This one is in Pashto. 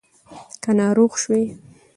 که ناروغ شوې